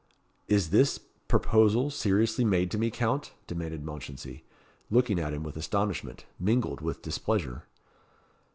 "Is this proposal seriously made to me, Count?" demanded Mounchensey, looking at him with astonishment, mingled with displeasure.